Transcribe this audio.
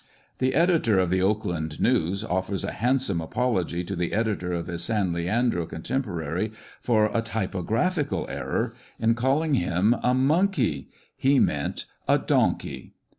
The editor of the Oak .and News offers a handsome apology to the editor of his San Leandro contemporary for a typographical error in calling him a"»zonkey;" he meant a " donkey